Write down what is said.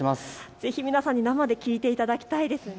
ぜひ皆さんに生で聴いていただきたいですね。